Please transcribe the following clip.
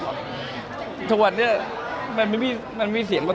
ทุกวันนี้มันไม่มีมันไม่มีเสียงบ้าง